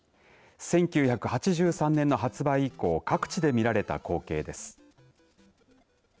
１９８３年の発売以降各地で見られた光景です。